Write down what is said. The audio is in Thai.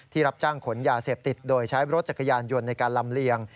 รับจ้างขนยาเสพติดโดยใช้รถจักรยานยนต์ในการลำเลียง